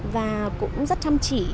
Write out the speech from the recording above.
và cũng rất chăm chỉ